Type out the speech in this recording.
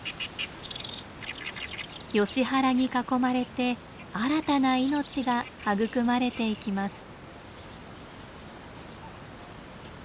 ヨシ原に囲まれて新たな命が育まれていきます。